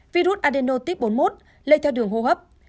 virus adenotip bốn mươi một lây theo đường hô hấp